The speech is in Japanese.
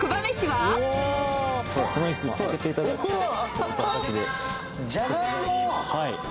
はい。